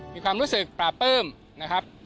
มีความรู้สึกปราบปลื้มนะครับ